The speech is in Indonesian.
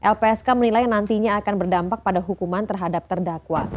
lpsk menilai nantinya akan berdampak pada hukuman terhadap terdakwa